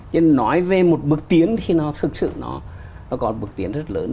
nên nói về một bước tiến thì nó thực sự nó có một bước tiến rất lớn